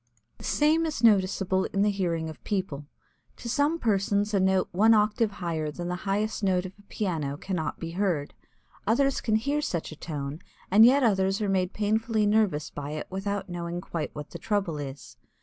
The same is noticeable in the hearing of people. To some persons a note one octave higher than the highest note of a piano, cannot be heard. Others can hear such a tone, and yet others are made painfully nervous by it without knowing quite what the trouble is.